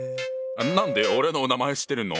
何で俺の名前知ってるの？